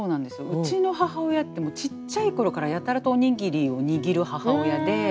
うちの母親ってもうちっちゃい頃からやたらとおにぎりを握る母親で。